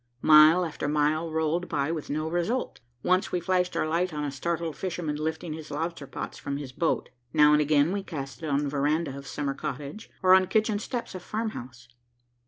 Mile after mile rolled by with no result. Once we flashed our light on a startled fisherman lifting his lobster pots from his boat. Now and again we cast it on veranda of summer cottage, or on kitchen steps of farmhouse.